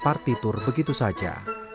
partitur begitu saja